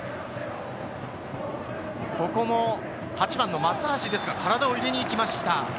ここも８番の松橋、体を入れに行きました。